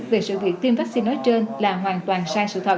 về sự việc tiêm vaccine nói trên là hoàn toàn sai sự thật